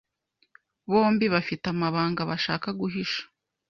bombi bafite amabanga bashaka guhisha